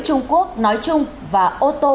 trung quốc nói chung và ô tô